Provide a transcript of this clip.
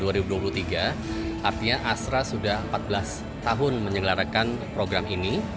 artinya astra sudah empat belas tahun menyelarakan program ini